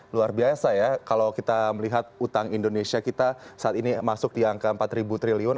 luar biasa ya kalau kita melihat utang indonesia kita saat ini masuk di angka empat triliun